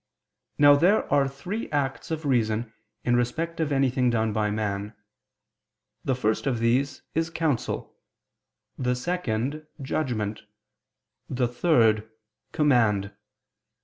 Now there are three acts of reason in respect of anything done by man: the first of these is counsel; the second, judgment; the third, command.